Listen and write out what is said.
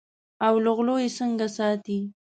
او له غلو یې څنګه ساتې.